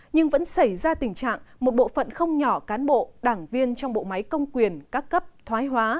nhưng vẫn xảy ra tình trạng một bộ phận không nhỏ cán bộ đảng viên trong bộ máy công quyền các cấp thoái hóa